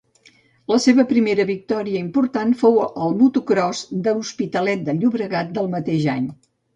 La seva primera victòria important fou al motocròs d'Hospitalet de Llobregat del mateix any.